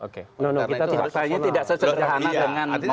kita tidak sesederhana dengan